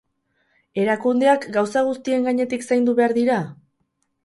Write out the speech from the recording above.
Erakundeak gauza guztien gainetik zaindu behar dira?